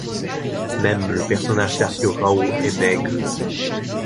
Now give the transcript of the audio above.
Même le personnage d’Arthur Rowe est maigre.